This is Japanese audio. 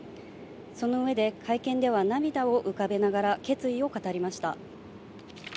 その上で、会見では涙を浮かべながら決意を語りました。